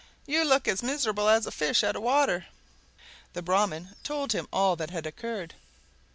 You look as miserable as a fish out of water!" The Brahman told him all that had occurred.